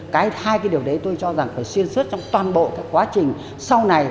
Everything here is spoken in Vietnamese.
cái hai cái điều đấy tôi cho rằng phải xuyên suốt trong toàn bộ các quá trình sau này